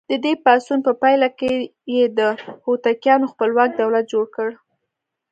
د دې پاڅون په پایله کې یې د هوتکیانو خپلواک دولت جوړ کړ.